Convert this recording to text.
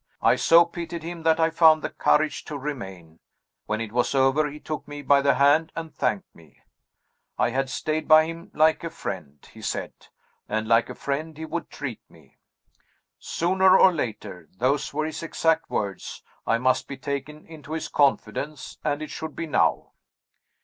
I so pitied him that I found the courage to remain. When it was over he took me by the hand, and thanked me. I had stayed by him like a friend, he said, and like a friend he would treat me. Sooner or later (those were his exact words) I must be taken into his confidence and it should be now.